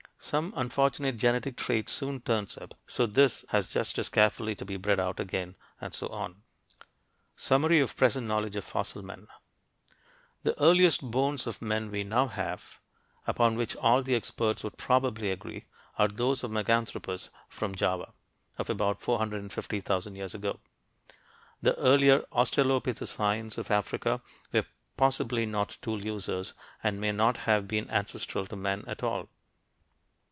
Some unfortunate genetic trait soon turns up, so this has just as carefully to be bred out again, and so on. SUMMARY OF PRESENT KNOWLEDGE OF FOSSIL MEN The earliest bones of men we now have upon which all the experts would probably agree are those of Meganthropus, from Java, of about 450,000 years ago. The earlier australopithecines of Africa were possibly not tool users and may not have been ancestral to men at all.